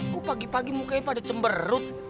kok pagi pagi mukanya pada cemberut